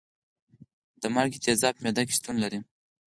د مالګې تیزاب په معده کې شتون لري.